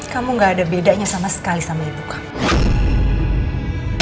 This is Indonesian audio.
kamu gak ada bedanya sama sekali sama ibu kamu